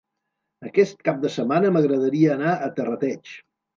Aquest cap de setmana m'agradaria anar a Terrateig.